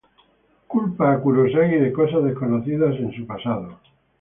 Culpa a Kurosaki de cosas desconocidas en su pasado.